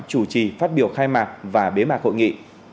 chủ trì phát biểu khai mạc và bế mạc hội nghị